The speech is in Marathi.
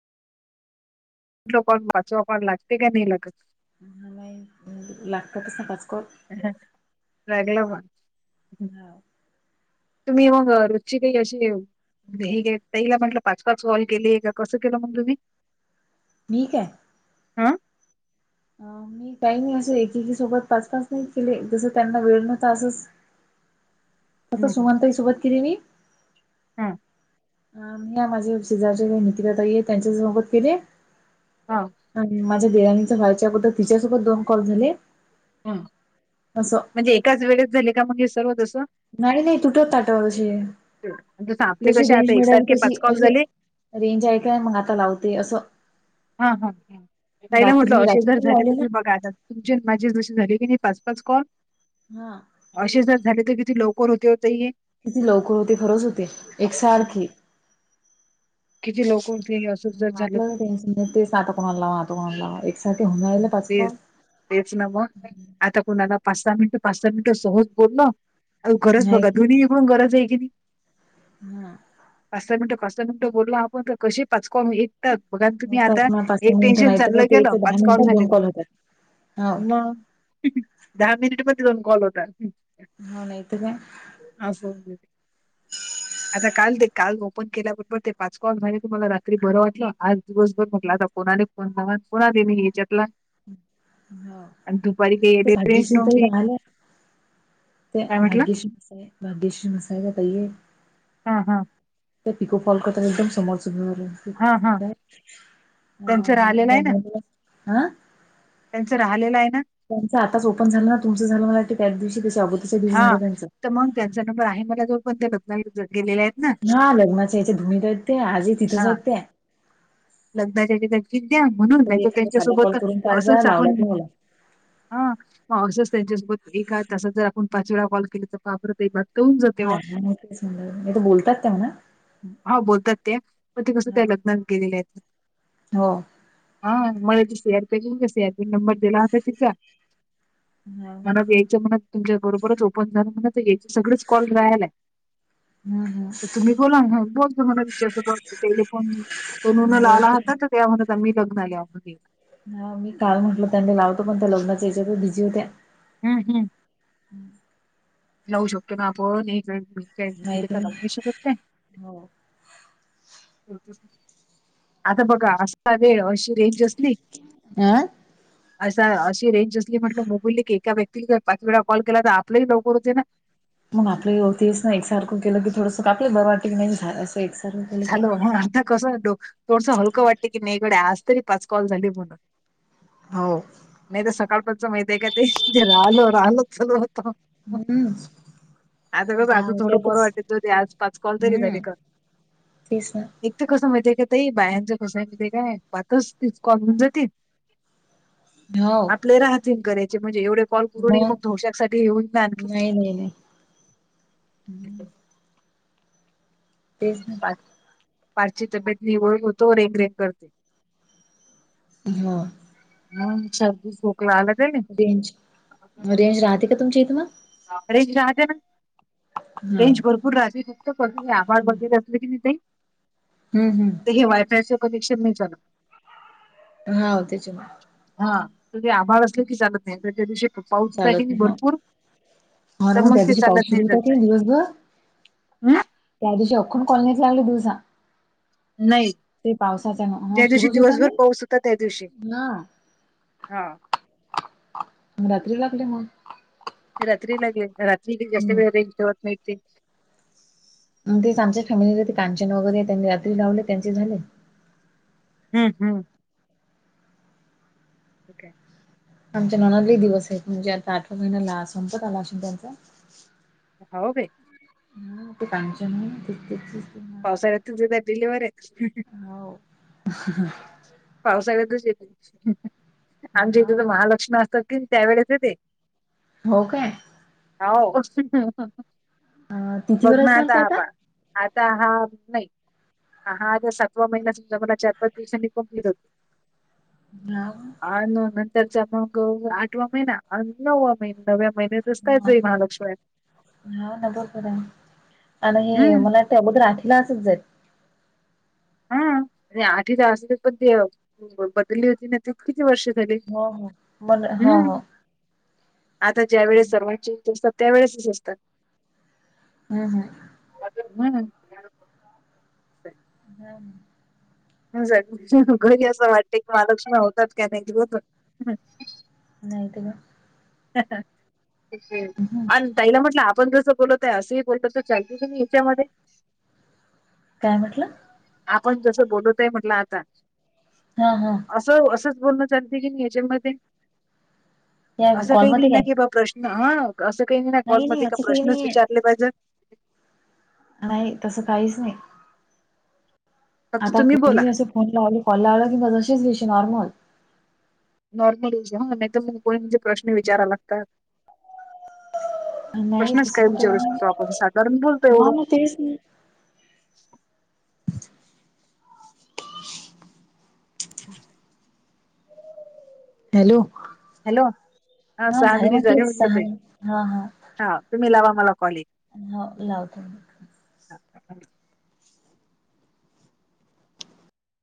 [unintelligible] वाचवा पण लागते का नाही लागत. नाही लाॅग [unintelligible] लागला प. तुम्ही मग रोजची काही अशी आहे. ते हे घे ताईला म्हटलं पाच पाच कॉल केले का कसं केलं मग तुम्ही. मी काय? अ. ताई मी असं एकेकी सोबत पाच पाच नाही केले जसं त्यांना वेळ मिळत असंच अस सुमनताई सोबत केली मी. हा. हा या माझ्या शेजारच्या मीतिला ताई आहेत त्यांच्या सोबत केले. हा माझ्या देराणीं व्हायच्या अगोदर तिच्यासोबत दोन कॉल झाले. हम, असं म्हणजे एकाच वेळेत झाले का मगं सर्व जसं. नाही नाही तुटत ताटव अशे, जसं आपले जशी कसे आता रेंज मिळेल एकसारखे तशी पाच कॉल अशे. झाले रेंज आहे काय मग आता लावते असं. हा हा, ताईला म्हटलं रात्री अशे रात्री जर पण झाले लावले ना तुम्ही बघा आता. तुजे अन् माझे [unintelligible] पाच पाच कॉल. हा. अशे जर झाले तर किती लवकर होते ओ ताई. किती लवकर होते खरंच होते एक सारखी. किती लवकर होते हे असं जर झालं [unintelligible] ते साधं. कॉल लावा तुमाला लावा एक सारखे होऊन राहिले तर पाच ते कॉल. तेच ना मग आता कोणाला पाच सहा मिनिटं, पाच सहा मिनिटं सहज बोललो. आव गरज नाही बघा की दोन्ही इकडून गरज आहे की नाई, हा पास सहा मिनटं पास मिनट बोलो आपण तर कशी पाच कॉल एकटक बघा न तुम्ही आता होतात मग पाच सहा एक मिनिटं टेन्शन नाही तर चाललं काय गेल. ते दहा पाच कॉल मिनिटात झाले दोन का? होतात. हो म हय हिहि दहा मिनिट मधे दोन कॉल होतात ह नाय तर काय आज [unintelligible] गेले [unintelligible] आता काल ते काल ओपन केल्याबरबर ते पाच कॉल झाले तर मला रात्री बरं वाटलं आज दिवसभर म्हटलं आता कोणाले [unintelligible] मी हेच्यातला हो अन् दुपारी ते [unintelligible] नव्हती त्या काय म्हटलं Bhagyashree miss hi Bhagyashree miss hi ताय हा हा त्या पिको फॉल करतान एकदम समोरच घेऊन आल्या कि हा हा काय त्यांचं राहिलेलं [unintelligible] आहे अय [unintelligible] ना मधुनच त्यांचं राहीलेलेलं आहे ना त्यांच आताच ओपन झालं तुमचं झालं म्हण त्याच दिवशी तिच अगोदर हा तर मग त्यांचा नंबर आहे मला जो पण ते रत्नागिरीत गेलेले आहेत. ना. ह्या लग्नाच्या याच्यात धूमीत आहेत त्या आजही तिथंच आहेत त्या लग त्या विद्या म्हणून नाही तरी तर एखादा साधा कॉल त्यांच्यासोबत करून काय जा असच आपण लावलात लावला हा ह असंच त्यांच्यासोबत एक आहे तासात जर आपण पाच वेळा कॉल केले तर बा परत [unintelligible] नाय तर बोलतात त्या ना आ बोलतात त्या पण ते कस काय हा त्या लग्नात गेलेल्या आयत हो हा मला त से आर के से आ पी नंबर दिला होता तिचा हा [unintelligible] हम्म व्हायच म्हणत तुमच्या बरोबरच ओपन झालं म्हण येचे सगळेच कॉल रहायला आय हम् तुम्ही बोला बोल की तिच्यासोबत तेन फोन तनुन लावला बर [unintelligible] त्या म्हणत होत्या मी बघून आले [unintelligible] हा मी काल म्हटल त्यांने लावतो पण त्या लग्नाच्या ह्याच्यातच बिझी होत्या हम्म हम्म लावू शकतो ना आपण [unintelligible] लावू नाही शकत काय हो आता बघा असता वेळ अशी रेंज असली अं असा अशी रेंज असली म्हटलं मोबाईल की एका व्यक्तीला पाच वेळा कॉल केला तर आपलेही लवकर होते ना मग आपली होतीस ना एक सारखं केलं की थोडं आपलं बर वाटी नाही झा असं केलं झा की मग अर्ा कसो थोडस हलकं वाटते की नाही इकडे आज तरी पाच कॉल झाली म्हणून हो नाही तर सकाळपच माहिती आहे काय ते ते राहलो राहल चालू होत हम्म आता बघ दहा आजून थोडं बरं वाजतातच वाटेल त ते आज पाच कॉल तरी झाले का तस ना एक तर कसं माहितीय का त बाया्यांचं कसं माहितय काय पाातच तीच कॉलून जात हो आपले राहातन करायचे म्हणजे एवढं कॉल करून मग दोशाक साठी येऊन ना आणखी नाही नाही नाही तेच ना पाठची तब्येत निवळ होतो रेंग रेंग करते ह हम चू लालग रेंज रेंज राहात कथमचीत म रेंज राहते ना हा रेंज भरपूर राहते फक्तपूर आभ वग क का हम् हम् हे वायफायचं कनेक्शन नाही ल हा तेच हा त आभड असले की चालत नाही त्याच्या दिवशी पाऊस चालत आहे नाही हा. भरपूर हा ना तर मग त्या ते दिवशी पाऊस चालत सुरू नाही होता की जतय दिवसभर हम् त्या दिवशी अख्खून कॉलनीत लागली दिवसा नाही ते पावसाचा हा ज्या दिवशी सुरूच होता दिवसभर ना पाऊस होता त्या दिवशी हा हा रात्री लागली मग रात्री लागेल रात्री जास्त हम्म वेळ रेवत नाहीते मग तेच आमच्या फॅमिलीला ते कांचन वगैरे त्यांनी रात्री लाावले त्यांचे झाले हम्म हम् ओके आमच्या नॉनादली दिवस आहेत म्हणजे आता आठवा महिन्याला संपत आला असेल त्यांचा हवगे हा ते काच नाही ते पावसाडत तलेले वरे हो पावसा वळेतच येते आमच्या इथे तर हो महालक्ष्मी असतात कि त्या वेळेस येते हो काय? होव अ तिथीवर आहेत ना बगमाता ते आता. पण आता हा नाही हा आता सातवा महिनामजा मला चारपच पसांनी ते ह आणि नंतरचा मग आठवा महिना नववा महि नवव्या महिन्या ह ह न खर आणि हम्म मला त्यामध्ये राठीला असच जाई हा आणि आठ तास पण ते बदलली होती ना किती वर्ष झाली हो हो. मन हो हो हम्म आता ज्या वेळेस हम्म सर्वांची इ असतात त्यावेेळेसच असतात. हम् हम् हम्. हम. घरी असं वाटते की महालक्ष्मी होतात का नाही क होत नाही त ना [unintelligible] आणि ताईला म्हटलं आपण जसं बोलतय असंही बोलतो तर लत ह याच्यामध्ये काय म्हटलं आपण जसं बोलतय म्हटलं आता हा हा असं असंच बोलणं चालते की नाही याच्यामध्ये या असं काही नाही कॉलमध्ये ना काय? की बा प्रश्न हा असं काही नाही नाही कॉलमध्ये का असं काही प्रश्नच नाहीये विचारले पाहिजे नाही तसं काहीच नाही फक्त आता तुम्ही बोला कोणी असं फोन लावली कॉल लावला किंवा जशीच विषय नॉर्मल नॉर्मल रोज ह नाही तर कोणी म्हणे प्रश्न विचारा लागतात नाही प्रश्नच तसं काय विचारू शकतो आपण साधारण बोलतोय एवढं तीस म ह् [unintelligible] हॅलो हॅलो हा सहा झाले मिनिट म्हटलेच स म्हटलं ताई हा हा हा तुम्ही लावा मला कॉल एक ह लावतो हा.